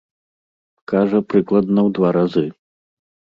Кажа, прыкладна ў два разы.